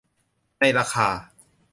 ในราคา